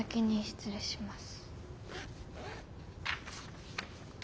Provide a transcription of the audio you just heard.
失礼します。